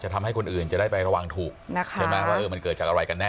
ตำรวจ